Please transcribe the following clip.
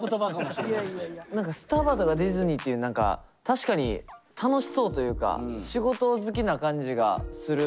何かスタバとかディズニーっていう何か確かに楽しそうというか仕事好きな感じがする。